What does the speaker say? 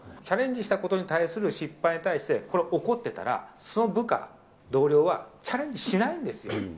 チャレンジしたことに対する失敗に対して、これは怒ってたら、その部下、同僚はチャレンジしないんですよ。